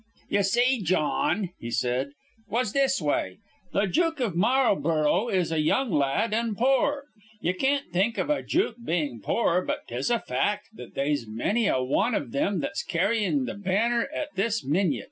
"Ye see, Jawn," he said "'twas this way: The Jook iv Marlburrow is a young lad an' poor. Ye can't think of a jook bein' poor, but 'tis a fact that they'se many a wan iv thim that's carryin' th' banner at this minyit.